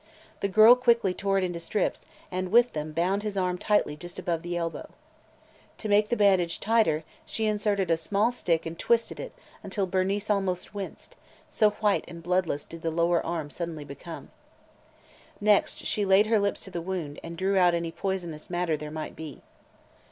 The girl quickly tore it into strips and with them bound his arm tightly just above the elbow. To make the bandage tighter, she inserted a small stick and twisted it until Bernice almost winced, so white and bloodless did the lower arm suddenly become. Next she laid her lips to the wound and drew out any poisonous matter there might be.